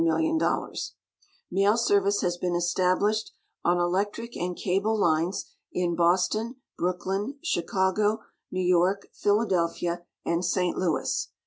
^lail service has been established on electric and cable lines in Boston, Brooklyn, Chicago, New York, Philadelphia, and St. Louis.